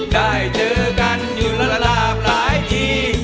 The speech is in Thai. ได้เจอกันอยู่ละละลาบหลายที่